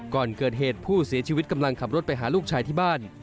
ก่อนเกิดเหตุผู้เสียชีวิตกำลังขับรถไปหาลูกชายที่บ้าน